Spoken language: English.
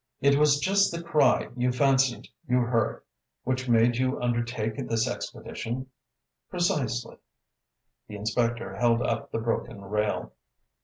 "It was just the cry you fancied you heard which made you undertake this expedition?" "Precisely!" The inspector held up the broken rail.